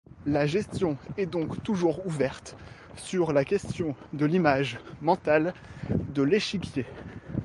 La question est donc toujours ouverte sur la question de l'image mentale de l'échiquier.